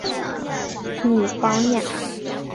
武榜眼。